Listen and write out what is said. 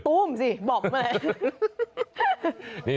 ตุ้มสิบ่็บมาเลย